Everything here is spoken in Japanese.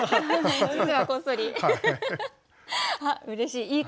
うれしい。